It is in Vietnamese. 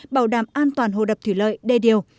bảo đảm an toàn hồ đập thủy lợi đê điều